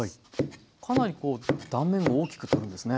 かなりこう断面を大きく取るんですね。